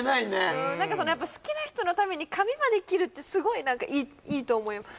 うん何かやっぱ好きな人のために髪まで切るってすごいいいと思います